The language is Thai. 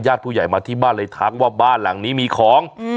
ผู้ใหญ่มาที่บ้านเลยทักว่าบ้านหลังนี้มีของ